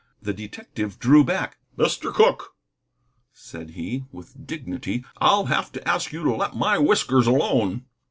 The detective drew back. "Mr. Cooke," said he, with dignity, "I'll have to ask you to let my whiskers alone."